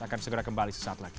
akan segera kembali sesaat lagi